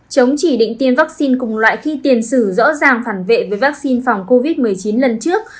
chống chỉ định tiêm vaccine cùng loại khi tiền sử rõ ràng phản vệ với vaccine phòng covid một mươi chín lần trước